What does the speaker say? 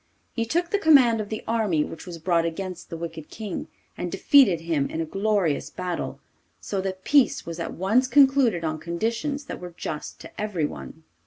He took the command of the army which was brought against the wicked King, and defeated him in a glorious battle, so that peace was at once concluded on conditions that were just to everyone.